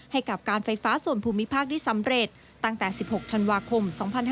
ให้กับการไฟฟ้าส่วนภูมิภาคได้สำเร็จตั้งแต่๑๖ธันวาคม๒๕๕๙